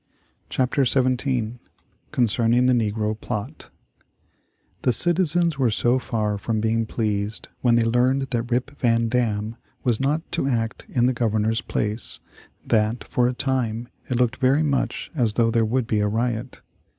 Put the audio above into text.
CHAPTER XVII CONCERNING the NEGRO PLOT The citizens were so far from being pleased when they learned that Rip Van Dam was not to act in the Governor's place, that, for a time, it looked very much as though there would be a riot.